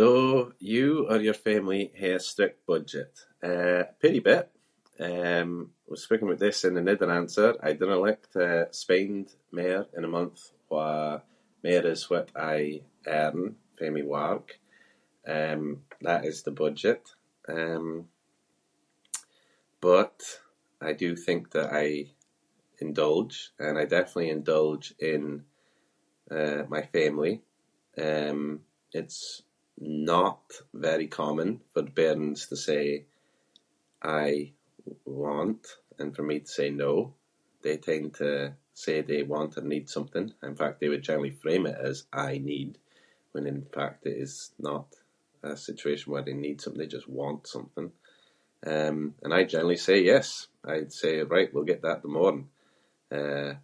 Do you or your family hae a strict budget? Eh, peerie bit. Um, I was speaking aboot this in another answer. I dinna like to spend mair in a month where mair as what I earn fae my work. Um, that is the budget, um, but I do think that I indulge and I definitely indulge in, eh, my family. Um, it’s not very common for bairns to say “I want” and for me to say “no”. They tend to say they want and need something- and in fact they would generally frame it as “I need” when in fact it is not a situation where they need something, they just want something. Um, and I generally say yes. I’d say “right, we’ll get that the morn”. Eh-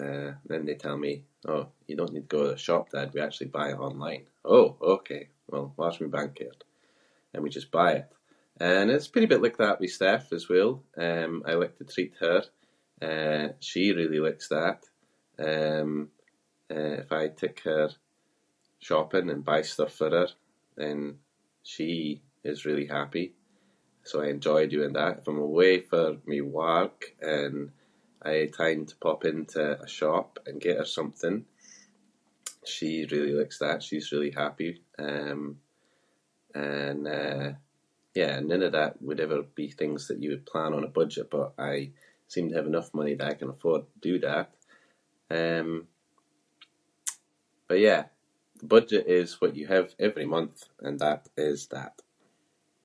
eh, then they tell me “oh, you don’t need go to the shop, dad, we actually buy it online”. “Oh! Ok, well, watch my bank card”. Then we just buy it. And it’s a peerie bit like that with Steph as well. Um, I like to treat her. Eh, she really likes that. Um, eh, if I take her shopping and buy stuff for her then she is really happy, so I enjoy doing that. If I’m away for my work and I try and to pop into a shop and get her something, she really likes that. She’s really happy. Um, and, eh, yeah, none of that would ever be things that you would plan on a budget but I seem to have enough money that I can afford to do that. Um, but yeah, budget is what you have every month and that is that.